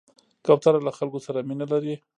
کوتره له خلکو سره مینه لري.